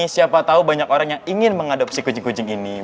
siapa tahu banyak orang yang ingin mengadopsi kucing kucing ini